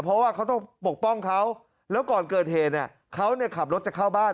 เพราะว่าเขาต้องปกป้องเขาแล้วก่อนเกิดเหตุเนี่ยเขาขับรถจะเข้าบ้าน